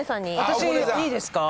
私いいですか？